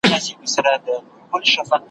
ساقي نن دي زما نوبت ته څنګه پام سو ,